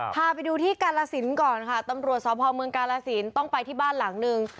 พาไปดูที่กาลสินก่อนค่ะตำรวจสพเมืองกาลสินต้องไปที่บ้านหลังนึง